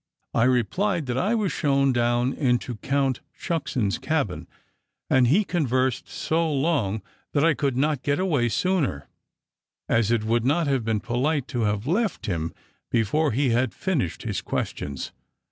I replied that I was shown down into Count Shucksen's cabin, and he conversed so long, that I could not get away sooner, as it would not have been polite to have left him before he had finished his questions.